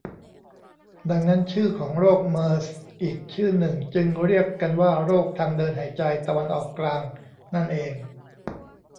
ดังนั้นชื่อของโรคเมอร์สอีกชื่อหนึ่งจึงเรียกกันว่า โรคทางเดินหายใจตะวันออกกลางนั่นเอง